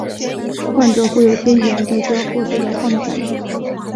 患者会有天旋地转或是摇晃的感觉。